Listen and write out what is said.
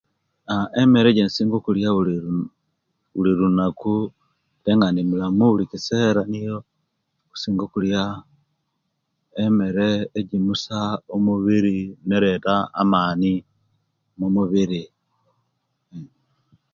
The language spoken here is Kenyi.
Aah emere ejensinga bulirunaku mbe nga ndi mulamu bulikisera niyo okusinga okuliya emere egimusa omubiri nereta amani mu mubiri